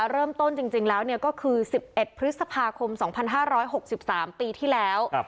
เริ่มต้นจริงแล้วก็คือ๑๑พฤษภาคม๒๕๖๓ปีที่แล้ว